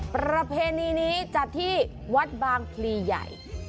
ประเพณีนี้จัดที่วัดบางพลีใหญ่